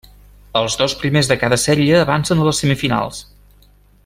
Els dos primers de cada sèrie avancen a les semifinals.